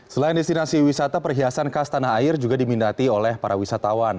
selain destinasi wisata perhiasan khas tanah air juga diminati oleh para wisatawan